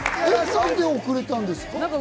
何で遅れたんですか？